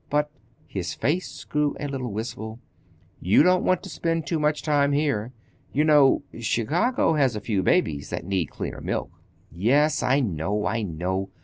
But"—his face grew a little wistful—"you don't want to spend too much time here. You know—Chicago has a few babies that need cleaner milk." "Yes, I know, I know!"